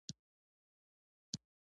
مهترلام ښار د چا زیارت لري؟